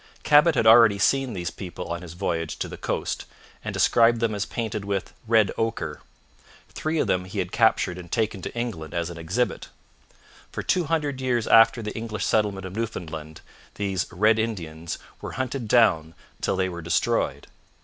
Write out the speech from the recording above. Cabot had already seen these people on his voyage to the coast, and described them as painted with 'red ochre.' Three of them he had captured and taken to England as an exhibit. For two hundred years after the English settlement of Newfoundland, these 'Red Indians' were hunted down till they were destroyed.